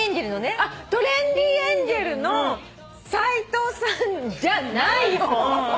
あっトレンディエンジェルの斎藤さんじゃない方！